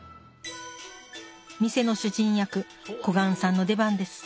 店の主人役小雁さんの出番です